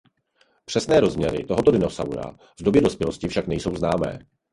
Přesné rozměry tohoto dinosaura v době dospělosti však nejsou známé.